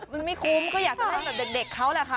มันไม่คุ้มก็อยากจะเล่นแบบเด็กเขาแหละค่ะ